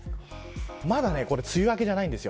まだ梅雨明けじゃないです。